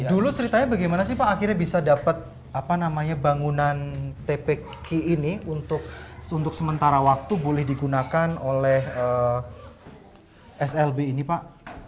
dulu ceritanya bagaimana sih pak akhirnya bisa dapat bangunan tpk ini untuk sementara waktu boleh digunakan oleh slb ini pak